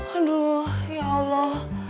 aduh ya allah